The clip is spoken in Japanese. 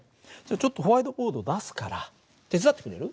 ちょっとホワイトボードを出すから手伝ってくれる？